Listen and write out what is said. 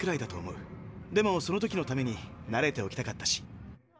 でもその時のために慣れておきたかったし。